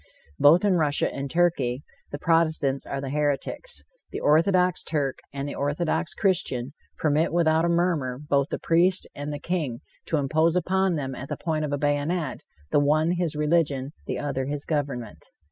Both in Russia and Turkey, the protestants are the heretics. The orthodox Turk and the orthodox Christian permit without a murmur both the priest and the king to impose upon them at the point of a bayonet, the one his religion, and the other his government.